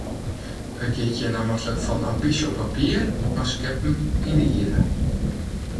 It giet hjir nammentlik fan ambysjes op papier nei skeppen yn de ierde.